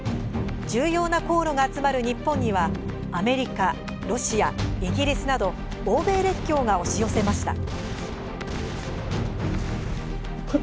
重要な航路が集まる日本にはアメリカ、ロシア、イギリスなど欧米列強が押し寄せました。